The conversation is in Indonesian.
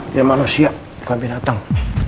dia manusia bukan binatang